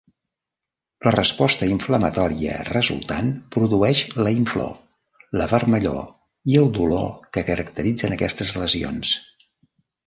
La resposta inflamatòria resultant produeix la inflor, la vermellor i el dolor que caracteritzen aquestes lesions.